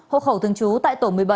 hộ khẩu thường trú tại tổ một mươi bảy